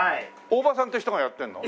大葉さんって人がやってんの？